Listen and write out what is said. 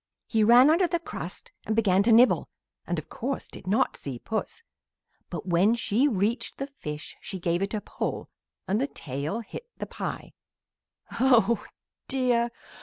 "He ran under the crust and began to nibble and, of course, did not see Puss; but when she reached the fish she gave it a pull and the tail hit the pie. "Oh dear!